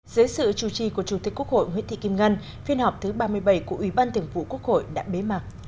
dưới sự chủ trì của chủ tịch quốc hội nguyễn thị kim ngân phiên họp thứ ba mươi bảy của ủy ban thường vụ quốc hội đã bế mạc